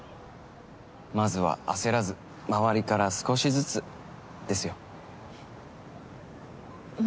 まずは焦らず周りから少しずつですよふっ。